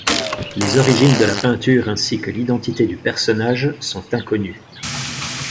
Les origines de la peinture ainsi que l'identité du personnage sont inconnues.